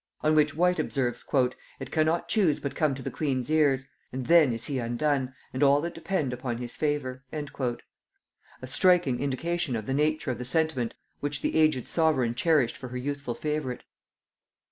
On which White observes, "It cannot choose but come to the queen's ears; and then is he undone, and all that depend upon his favor." A striking indication of the nature of the sentiment which the aged sovereign cherished for her youthful favorite!